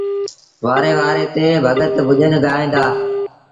وآري وآري تي ڀڳت ڀُڄن ڳائيٚݩ دآ